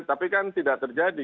tapi kan tidak terjadi